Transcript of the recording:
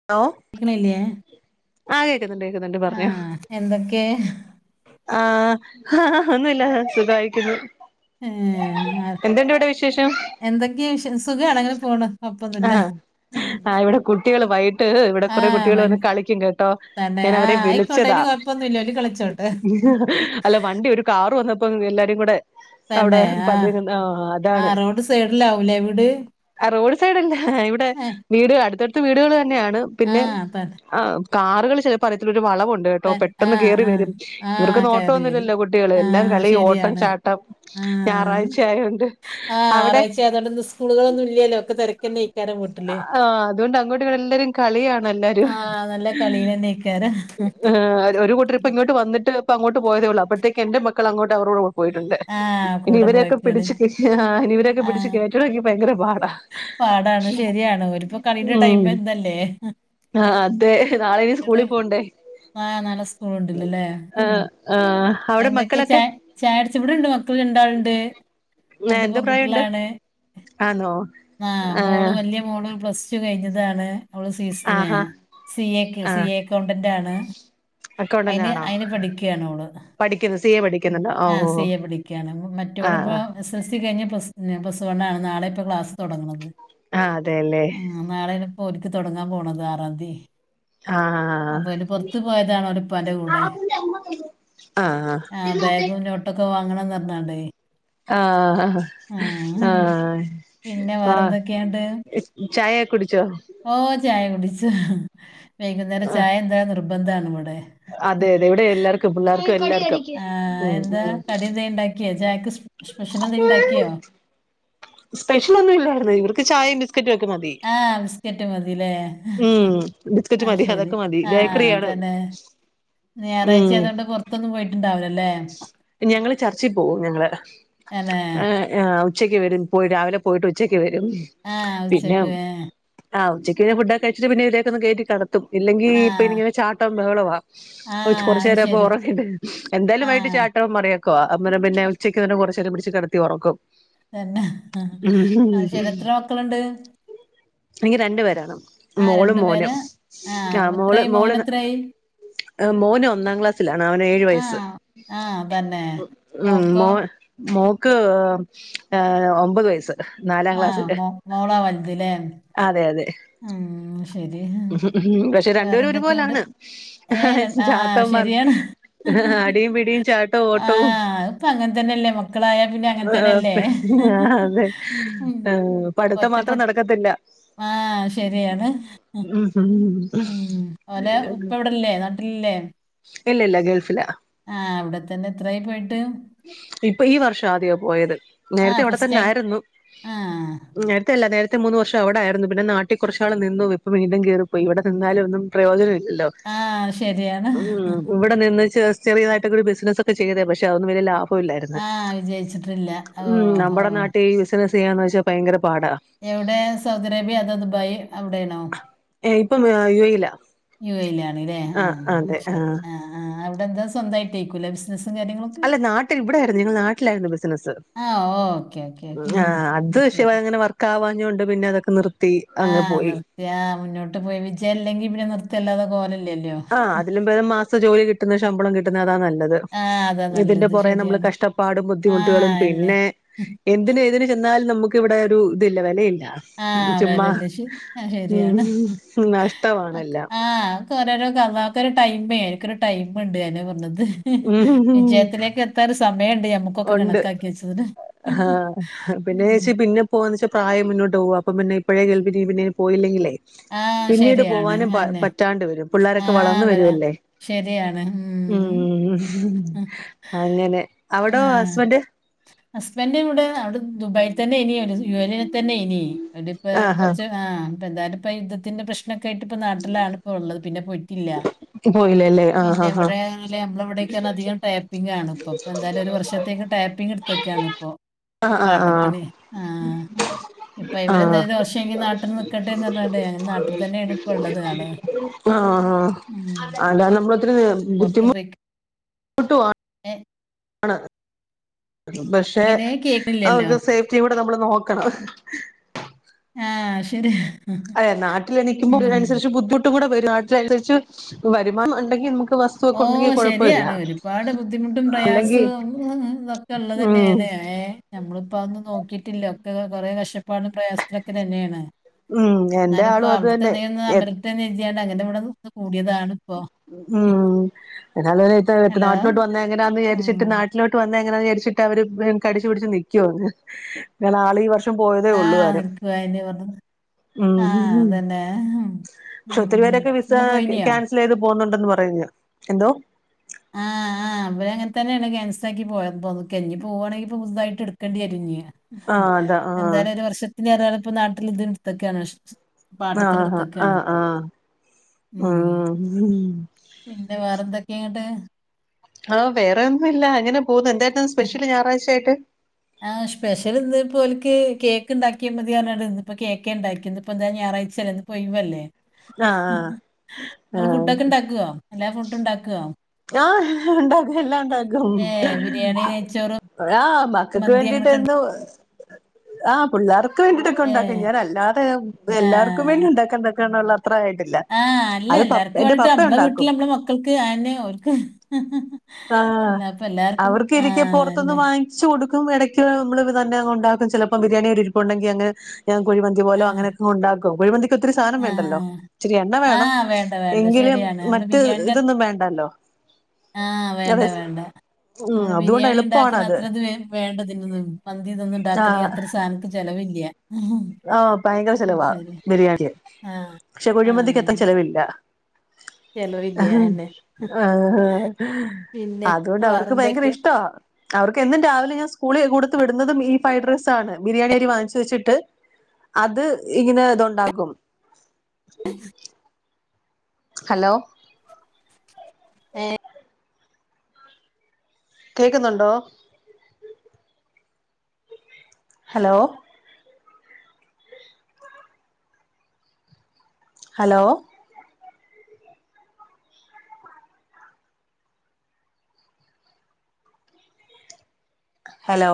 [unintelligible] ക്ക്ണില്ലേ ആഹ് കേക്കുന്നുണ്ട് കേക്കുന്നുണ്ട് പറഞ്ഞോ എന്തൊക്കെ ആഹ് ആഹാ ഒന്നുല്ല സുഖായ്ട്ടിര്ന്നു ഏഹ് എന്തുണ്ടവിടെ വിശേഷം എന്തൊക്കെശ് സുഖാണ് അങ്ങനെ പോണ് കൊപ്പൊന്നുല്ല ആഹ് ഉം ആഹ് ഇവിടെ കുട്ടികള് വൈ ട്ട് ഇവടെ ആ കുറെകുട്ടികൾ വന്ന് ഭയങ്ക- കളിക്കും കേട്ടോ തന്നെ ആ ആയിക്കോട്ടെ ഞാനവരെവിളിച്ചതാ അതിന് കുഴപ്പമൊന്നുമില്ല ഒരു കളിച്ചോട്ടെ ഉം. അല്ല വണ്ടിഒര് കാറ് വന്നപ്പോ എല്ലാരുംകൂടെ അവ്ടെ തന്നെ ആ പതുങ്ങ്ന്ന് ആഹ് ആ അതാണ് റോഡ് സൈഡിലാവൂലേ വീട് ആഹ് റോഡ് സൈഡെന്നാ ഇവടെ ഏ, വീട് അടുത്തടുത്ത് വീടുകൾ തന്നെയാണ് ആ തന്നെ പിന്നെകാറുകൾ ചെൽപ്പോ അറിയത്തുള്ള ഒര് വളവുണ്ട് ണ്ട്കേട്ടോ ത- ആ പെട്ടെന്ന് ആ കേറിവെരും ആ കയറി വരും ഇവർക്നോട്ടൊന്നുമില്ലല്ലോ കുട്ടികൾ ആ എല്ലാംകളിഓട്ടം ശരിയാണ് ചാ ട്ടം ആ ഞായറാഴ്ച ആയോണ്ട്അവിടെ [unintelligible] സ്കൂളൊന്നുല്ലല്ലോ ഒക്കെതെരക്കെന്നേയ് ആഹ് അതോണ്ട് അങ്ങോട്ട് ഇങ്ങോട്ടും എല്ലാരുംകളിയാണ് എല്ലാരും ആ നല്ല കളിയിൽ തന്നെ ഇക്കാരം അഹ് ആഹ് ഒര് ഒര്കൂട്ടർ ഇങ്ങോട്ട്ന്നിട്ട്പ്പങ്ങോട്ട് പോയെതെള്ളൂ അപ്പോഴത്തേക്ക് എന്റെ മക്കൾങ്ങോട്ട് അവരോട് പോയിട്ടുണ്ട് ആ കൂടെ ഇനിഇവരെയൊക്കെ പോയിക്കാണ് പിടിച്ച് ആഹ് ഹാ ഇനിവരൊക്കെ ആ പിടിച്ച് കേറ്റണെങ്കി ഭയങ്കരപാടാ പാടാണ് ശെരിയാണ് ഒരിപ്പോ കളിന്റെ ടൈം ഇതല്ലേ ആഹ് അതെ നാളെഇനി സ്കൂളിൽ പോണ്ടേ ആഹ് ന്നാളേ സ്കൂൾ ഇണ്ടല്ലോലേ ഉം ആഹ് ആഹ് അവിടെ എന്തൊക്കെ ചാ മക്കളൊക്കെ ചായൊട്ച് ഇവ്ടെണ്ട് മക്കൾരണ്ടാൾണ്ട് രണ്ട് എന്ത് പ്രായമുണ്ട് പെൺകുട്ടിളാണ്. ആന്നോ? ആഹ് മോളു വല്ല്യ മോള് പ്ലസ് ടു കയ്ഞ്ഞതാണ്. ഓള് സി സിന്നേ ആഹാ സി എക്ക് സി ആഹ് എ ക്കൗണ്ടന്റാണ്. അക്കൗണ്ടന്റ് അയ്ന്, ആണോ അയ്ന് പഠിക്കാണ്ഓള്. പഠിക്കുന്നു സി എ ഉം പഠിക്കുന്നുണ്ടോ ഓ ആഹ് സി ഓ എ പഠിക്കാണ് ആഹ് മറ്റോള്പ്പോ ആഹ് എസ് എൽ സി കയ്ഞ്ഞപ്ലസ് പിന്നെ പ്ലസ്സ് വണ്ണാണ് നാളെപ്പൊ ക്ലാസ്തൊടങ്ങ് ണത്. ആഹ് അതെല്ലേ. ആഹ് നാളെപ്പോ ഓര്ക്ക് തൊടങ്ങാൻ പോണത് ആറാംന്തി. ആഹ് അപ്പോല് പൊർത്ത് പോയതാണ് ഓലേപ്പാന്റെ കൂടേ ആഹ് ഹാ [unintelligible] ട്ടൊക്കെ വാങ്ങണന്ന് പറഞ്ഞാണ്ടേയ് ആഹ ആഹ് ഹ് ആഹ് പിന്നെ ആ വേറെ എന്തൊക്കെയാണ്ട് സ് ചായ യൊക്കെ കുടിച്ചോ ഓ ചായ കുടിച്ച് ഹ് വൈകുന്നേരം ആഹ് ചായ എന്തായ നിർബന്ധണ് വിടെ അതെ അതെ ഇവിടെ എല്ലാർക്കും പിള്ളേർക്കും എല്ലാർക്കും ഉം ഉം ക്കിയ ചായക്ക് സ് സ്പെഷ്യലെ ന്തേലും ഉണ്ടാക്കിയോ സ്പെഷ്യലൊന്നുല്ലായിരുന്നു ഇവർക്ക് ചായയും ബിസ്ക്കറ്റുഒക്കെമതി. ആ ബിസ്ക്കറ്റ് മതിലേ.. ഹ് ഹ ഉം ബിസ്ക്കറ്റ് ഹഅ യ് മതി ശരി അതൊക്കെ മതി ആഹ് ബേക്കറിയാണ് തന്നെ ഇന്ന് ഉം ഞായറാഴ്ച്ചായതുകൊണ്ട് പൊറത്തൊന്നും പോയിട്ടുണ്ടാവ് ലല്ലേ ഞങ്ങള് അനേ.. ആആ ഉച്ചയ്ക്ക് വരും പോയി രാവിലെ പോയിട്ട് ഉച്ചയ്ക്ക് വരും. ഹ് ആഹ് ഉച്ചക്കുവേ ആഹ് ഉച്ചക്ക്ഫുഡൊക്കെഴിച്ചിട്ട് പിന്നെ ഇവരൊകെഒന്ന് കയറ്റി കടത്തും ഇല്ലെങ്കീ ആ പിന്നിവിടെഇങ്ങനെ ചാട്ടം ബഹളവാ ആ ഓ കൊറച്ചു അത് നേരംപ്പൊ ശരി ഉറങ്ങട്ടെ ആ എന്തായാലും വൈകിട്ട് ചാട്ട മറയാ കൊ അന്നേരം പിന്നെ ഉച്ചക്ക് തന്നെകൊറച്ച് രം പിടിച്ച് കിടത്തി ഉറക്കും തന്നെ ഹ് ഹ ഹ് ഉം അയ് ശരി എത്ര മക്കളുണ്ട് എനിക്ക് രണ്ടു പേരാണ് ആ മോളും രണ്ടുപേര് മോനും ആ ക്കാ മോള് എത്രയായി മോള് മോനെത്രയായി മോനു ഒന്നാം ക്ലാസ് ലാണ് അവന് ഏഴു ആ വയസ്സ്. ആ തന്നെ ഉം മോക്കോ മോന് മോക്ക്... ഏ.. ഒമ്പത് വയസ്സ് നാലാം ആഹ് ക്ലാസ്സില് മോളാ വലുത് ലേ അതെ അതെഹ് ഉംഊമ്ശ് ഉഹും ഉഹും പക്ഷെ രണ്ടുപേരും ഒരുപോലാണ് ഏ അഹ ഹ് രൺ- ആ ചാട്ട [unintelligible] ശരിയാണ് ഹ ഹ ഹ അടിയും പിടിയും ചാട്ടോ ആ ഓട്ടവും ഇപ്പൊ അങ്ങനെ തന്നെയല്ലേ മക്കളായ പിന്നെ അങ്ങനെ തന്നെയല്ലേ ഉം [unintelligible] പഠിത്തം മാത്രം നടക്കത്തില്ല ആഹ് ശരിയാണ് ഹ് ഹും ഉം ഉം ഓലെ ഉപ്പ ഇവിടല്ലേനാട് ട്ട ല്ലേ ഇല്ലല്ല ഗൾഫില ആഹ അവിടെ തന്നെ എത്രായി പോയിട്ട്? ഇപ്പൊ ഈ വർഷ ആദ്യാപോയത് ആ നേരത്തെ ഇവിടെ ഫസ്റ്റ് തന്നെ ആയിട്ട് ആയിരുന്നു ആ നേരത്തെ അല്ല നേരത്തെ മൂന്ന് വർഷം അവിടെ ആരുന്നു പിന്നെ നാട്ടിൽ കുറച്ചാൾ നിന്നു ഇപ്പ വീണ്ടും കേറിപ്പോയി ഇവിടെ നിന്നാലു ഒന്നും പ്രയോജനമില്ലല്ലോ ആഹ് അത് ശരിയാ... ഉമ് ഇവിടെ നിന്ന് ചെ ചെറിയതായിട്ടൊക്ക ഒരു ബിസിനസ്സൊക്കെ ചെയ്തേ പക്ഷെ അതൊന്നും വലിയ ലാഭ ല്ലായിര്ന്നു ആ വിജയിച്ചിട്ടില്ല ഓ ഉം ഓ നമ്മുടെ നാട്ടി ഈ ബിസിനസ് ചെയ്യാന്ന് വെച്ചാ ഭയങ്കര പാടാ എവിടെ സൗദി അറേബ്യ അതോ ദുബായ് അവിടെണോ ഇപ്പം യു എയിലാ യു എയിലാണല്ലേ ആഹ് ആഹ അതെ ശരി ആഹ് ആഹ അവിടെന്താ സ്വന്തമായിട്ടേക്കൂല്ലെ ബിസ് സും കാര്യങ്ങളും അല്ല നാട്ടിൽ ഇവിടെയായിരുന്നു നിങ്ങൾ നാട്ടിലായിരുന്നു ബിസിനസ്സ് ആ ഓക്കെ ഓക്കെ ഓക്കെ ആ അത് വിഷയ ശരി അങ്ങനെ വ കാവാഞ്ഞ കൊണ്ട് പിന്നെ അതൊക്കെ നിർത്തി ആ അങ്ങെ പോയി നിർത്തിയ മുന്നോട്ട് പോയി വിച്ച അല്ലെങ്കി പിന്നെ നിർത്തല്ലാതെ കോല ആഹ് അതിലും പേതംമാസ ജോലി കിട്ടുന്നുന്നത് ശമ്പളം കിട്ടുന്ന അതാ നല്ലത് ആ അതാ ഇതിന്റെ നല്ലത് പുറേ നമ്മള് ശരിയാണ് കഷ്ടപ്പാടും ആ ബുദ്ധിമുട്ടുകളും എന്നെ പിന്നെ എന്തിന് ഏതിന് ചെന്നാലും നമുക്ക് ഇവിടെ ഒരു ഇതില്ല വിലയില്ല ആഹ ചുമ്മാ വിലല്ലശആ ശരിയാണ് ഉം നഷ്ടമാണെല്ലാം ആഹ ഓരോരോ കളത്തൊരു ടൈം എനിക്കൊരു ടൈമുണ്ട് അതാ പറഞ്ഞത് ഉം വിജയത്തിലേക്ക് എത്ത ഒരു സമയണ്ട് നമ്മുക്കൊക്കെ ഉണ്ട് കണക്കാക്കി വെച്ചത് പോവാന്ന്ച്ചാ പ്രായം മുന്നോട്ട് പോക അപ്പൊ പിന്നെ ഇപ്പഴേ പിന്ന പോയില്ലെങ്കിലേ ആ പിന്നീട് ശരിയാണ് പോവാനും അന്നെ പറ്റാണ്ട് വരും ആ പിള്ളേരൊക്കെ വളർന് വരാ വരുവല്ലേ ഉം അങ്ങനെ അവിടോ ആഹ് ഹസ്ബൻഡ് ഹസ്ബൻഡും ഇവിടെ അവിടെ ദുബായിൽ തന്നെ ഇനിയ യു എനെ തന്നെ ഇനി അവിടിപ്പ ആഹ് ആഹ് കുറച്ച് ആ എന്തായാലുപ്പ യുദ്ധത്തിന്റെ പ്രശ്നം ക്കെയിട്ട് ഇപ്പ നാട്ടിലാണ് ഇപ്പ ഉള്ളത് പിന്നെ പോയിട്ടില്ല. പോയില്ലല്ലേ ആഹ് പിന്നെ ആഹ് ഇവിടെ നമ്മള ഇവിടൊക്ക അധികം ടാ ടാപ്പിംഗാണ് ഇപ്പൊ എന്താലും ഒരു വർഷത്തേക്ക് ടാപ്പിംഗ് എടുത്ക്കണ് ഇപ്പോ ആഹ് ആഹ് പാട്ടത്തിന് ആഹ് ഇപ്പ ആഹ് ആഹ് അയ്മലെന്തേലും ദോഷങ്കി നാട്ടില് നിക്കട്ടെന്ന് അതെ നാട്ടിൽ തന്നെയാണ് ഇപ്പ ഉള്ളത് ആള് ആഹ് ആ അത നമ്മള ഒത്തിരി ബുദ്ധിമു വെക്ക കുട്ടുവാ ആണ് പക്ഷെ എങ്ങനെ കേൾക്കില്ലല്ലോ അവർക്ക് സേഫ്റ്റി കൂടെ നമ്മൾ നോക്കണം. ആഹ് ശരിയാ. അതെ നാട്ടില് നിക്കുമ്പോ അതിനനുസരിച്ച് ബുദ്ധിമുട്ട് കൂടെ വരും നാട്ടിനനുസരിച്ച് വരുമാനം ഉണ്ടെങ്കിൽ നമുക്ക് ഓ വസ്തുവൊക്കെ ഉണ്ടെങ്കി കൊഴപ്പമില്ല ശരിയാണ് ഒരുപാട് ബുദ്ധിമുട്ടും അല്ലെങ്കി പ്രയാസവും ഇതൊക്കെ ഉള്ളത് തന്നെയ ഉം ഏഹ് നമ്മളിപ്പ അതൊന്നും നോക്കിയിട്ടില്ല ഒക്കെ കൊറെേ കഷ്ടപ്പാടും പ്രയാസത്തിലൊക്കെ തന്നെയാണ് ഉം എന്റെ എന്നാല ഇപ്പോ ആളും അത് അവിടുത്തെന്നെയൊന്ന് ഒന്ന് തന്നെ അമരട്ടെനെരതിയണ്ട് അങ്ങനന്റെ ഇവിടെന്ന് കൂടിയതാണ് ഇപ്പോ ഉം എന്ന ഹലോ നാട്ടിലോട്ട് വന്ന എങ്ങനാന്ന് ഉം വിചാരിച്ചിട്ട് വീട്ടിലോട്ട് വന്ന എങ്ങന വിചാരിച്ചിട്ട് അവര് കടിച്ചു പിടിച്ച് നിക്കുവാണ് കാരണംആള് ഈ വർഷം പോയതേ ആ ഉള്ളൂ കരം നിൽക്കുക എന്നെ പറഞ്ഞു ആ ഉം അതന്നെ പക്ഷേ ഒത്തിരി പേരൊക്കെ വിസ നിങ്ങൾ പോയിനിയോ ക്യാൻസി ലീത്പോന്നുണ്ടെന്ന് പറയുന്നു എന്തോ ആഹ് ആഹ് അവര് അങ്ങനെ തന്നെയാണ് കാൻസ്സലാക്കി പോയപ്പൊക്കെ ഇഞ്ഞി പോവാണെങ്കി പുതുതായിട്ട് എടു നക്കേണ്ടവരും ആഹ് അതാ ആഹ് എന്തായാലും ഒരു വർഷത്തിന് അറിയ ഇപ്പോ നാട്ടിൽ ഇത് ഇടുത്തൊക്കെയാണ് ആഹ് ആ് ആഹ് ആഹ് ഉം. ആഹ് ആ പിന്നെ വേറെ എന്തൊക്കെന്ന്ട്ട് ആഹ് വേറെ ഒന്നുല്ല അങ്ങനെ പോകുന്നു എന്തായിരുന്നുന്ന് സ്പെഷ്യല് ഞറാഴ്ച ആയിട്ട് ആ സ്പെഷല് ഇന്ന് ഇപ്പോലക്ക് കേക്ക് ഉണ്ടാക്കിയാ മതിയ പറഞ്ഞ് കേക്ക് ഉണ്ടാക്കിന്ന് ഇപ്പൊ എന്താ ഞായറാഴ്ചല്ലേന്ന് ഇന്ന്പ്പൊയവല്ലേ ആഹ് നിങ്ങള് ആഹ് ഫുഡൊക്കെ ഉണ്ടാക്കുവ എല്ലാ ഫുഡും ഉണ്ടാക്കുവ ആ ഉണ്ടാക്കും എല്ലാ ഉണ്ടാക്കും. ഏ ബിരിയാണി നെയ്ച്ചോറ് മക്കൾക്ക് മന്തി വേണ്ടിട്ട് അങ്ങനൊക്കെ ഉണ്ട് എന്തോ ആ പിള്ളേർക്ക് വേണ്ടിട്ടൊക്കെ ഏ ഉണ്ടാക്കാ ഞൻ അല്ലാതെ എല്ലാർക്കും ആഹ്. വേണ്ടി ഉണ്ടാക്കാനുള്ള അത്രായിട്ടില്ല ആഹ് അല്ല അത് പപ്പ എല്ലാർക്കും എന്റെ വേണ്ടിട്ട് പപ്പ നമ്മളെ ഉണ്ടാക്കും. വീട്ടില് നമ്മളെ മക്കൾക്ക് ആ അയന്നെ ഓർക്ക് ആ അവർക്ക് ഇരിക്കെ ആഹ് പുറത്തൊന്ന് അതെ. വാങ്ങ വാങ്ങിച്ച് കൊടുക്കും ഇടക്ക് നമ്മള് ഇത് തന്നെ ഉണ്ടാക്കും ചിലപ്പോ ബിരിയാണി അരി ഇരിപ്പുണ്ടെങ്കി അങ്ങ ഞാൻ കുഴിമന്തി പോലോ ആഹ് അങ്ങനൊക്കെ ഉണ്ടാക്കും കുഴിന്തി ഒത്തിരി സാധനം വേണ്ടല്ലോ ആഹ്. ഇച്ചിരി എണ്ണ വേണം ആഹ് വേണ്ട വേണ്ട എങ്കിലും ശരിയാണ്. നമ്മള് മറ്റ് ബിരിയാണിന്റെ അത് ഇതൊന്നും വേണ്ടല്ലോ. ആഹ് വേണ്ട അതെ വേണ്ട. ഉം നമ്മള് അതുകൊണ്ട് ബിരിയാണി ഇണ്ടാക്കണ എളുപ്പമാണത് അത്ര ഇത് വേണ്ടതിന്ന് മന്തി ഇതൊന്നും ഇണ്ടാക്കണെ ആഹ് അത്ര സാധന ചെലവില്ല ഉം, ആഹ് ഭയങ്കര ചെലവാണ് ശരി ബിരിയാണി ആഹ് പക്ഷെ കുഴിമന്തിക് അത്ര ആഹ് ചെലവില്ല. ചെലവില്ല അയന്നെ. ആ പിന്നെ അതുകൊണ്ട് അവർക്ക് ഭയങ്കര വേറെന്തൊക്കെ? ഇഷ്ടവാ അവർക്ക് എന്നും രാവിലെ ഞാൻ സ്കൂളിൽ കൊടുത്ത് വിടുന്നതും ഈ ഫ്രൈഡ് റൈസാണ് ബിരിയാണിരി വാങ്ങിച്ച് വെച്ചിട്ട് അത് ഇങ്ങനെ ഇത്ണ്ടാകും ഉ ഹലോ ഏഹ് കേക്കുന്നുണ്ടോ ഹലോ ഹലോ ഹലോ